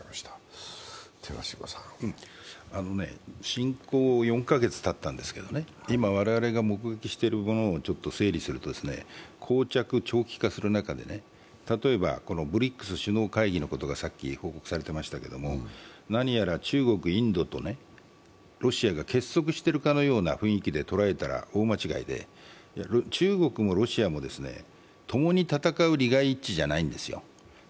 侵攻４カ月たったんですけどね、今、我々が目撃しているものを整理すると、こう着長期化する中で、例えばこのＢＲＩＣＳ首脳会議のことが先ほど報告されてましたけれども何やら、中国、インドとロシアが結束してるかのような雰囲気で捉えたら大間違いで、中国もロシアも共に戦う利害一致じゃないんですよ。